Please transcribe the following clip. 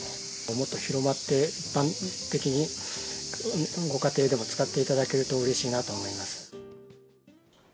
もっと広まって、一般的にご家庭でも使っていただけると、うれしいなと思います。